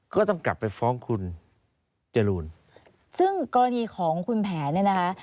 ก็ต้องกลับไปฟ้องคุณจรูนซึ่งกรณีของคุณแผนเนี่ยนะคะ